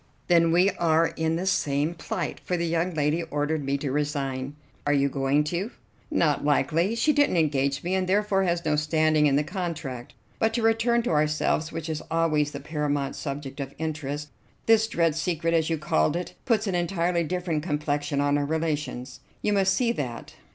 "Then we are in the same plight, for the young lady ordered me to resign." "And are you going to?" "Not likely. She didn't engage me, and therefore has no standing in the contract. But, to return to ourselves, which is always the paramount subject of interest, this dread secret, as you called it, puts an entirely different complexion on our relations. You must see that.